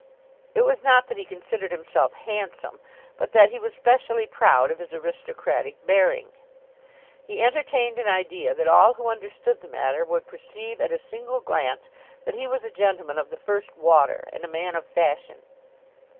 It was not that he considered himself handsome, but that he was specially proud of his aristocratic bearing. He entertained an idea that all who understood the matter would perceive at a single glance that he was a gentleman of the first water, and a man of fashion.